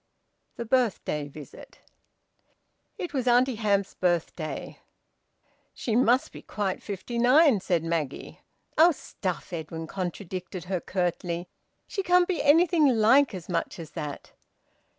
THE BIRTHDAY VISIT. It was Auntie Hamps's birthday. "She must be quite fifty nine," said Maggie. "Oh, stuff!" Edwin contradicted her curtly. "She can't be anything like as much as that."